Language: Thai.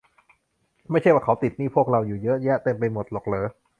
ไม่ใช่ว่าเขาติดหนี้พวกเราอยู่เยอะแยะเต็มไปหมดหรอกหรอ ?